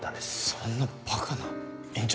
そんなばかな院長